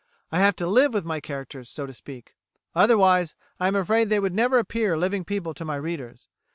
I have to live with my characters, so to speak; otherwise, I am afraid they would never appear living people to my readers.